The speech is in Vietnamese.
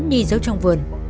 nhi giấu trong vườn